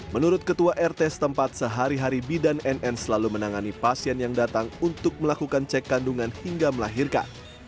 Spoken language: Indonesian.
menurut ketua rt setempat sehari hari bidan nn selalu menangani pasien yang datang untuk melakukan cek kandungan hingga melahirkan